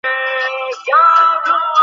এই ক্ষমতা তোমার একা কেন?